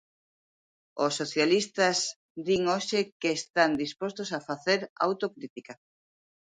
Os socialistas din hoxe que están dispostos a facer autocrítica.